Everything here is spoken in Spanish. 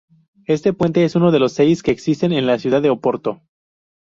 Este puente es uno de los seis que existentes en la ciudad de Oporto.